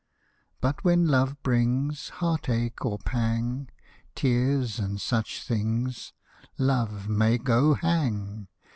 But when Love brings Heartache or pang. Tears, and such things — Love may go hang